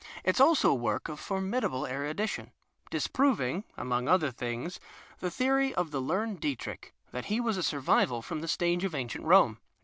It is also a work of for midable erudition, disproving, among other things, the theory of the learned Dietcrich that he was a survival from the stage of ancient Rome.